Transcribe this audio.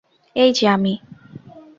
এই যে আমি।